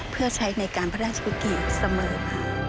เพื่อใช้ในการพระราชพิธีเสมอ